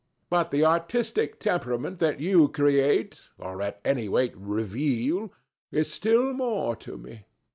But the artistic temperament that they create, or at any rate reveal, is still more to me.